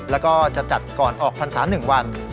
แล้วก็จะจัดก่อนออกพันธ์ศาสตร์๑วัน